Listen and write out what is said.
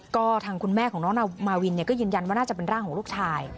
ก็ทางคุณแม่ของน้องนามาวินก็ยืนยันว่าน่าจะเป็นร่างของลูกชาย